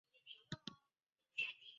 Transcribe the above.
郭衍派船搬运粮食救援。